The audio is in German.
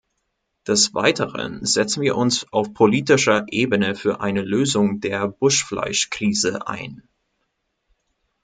Des Weiteren setzen wir uns auf politischer Ebene für eine Lösung der Buschfleischkrise ein.